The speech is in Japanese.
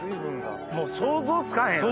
もう想像つかへんよね。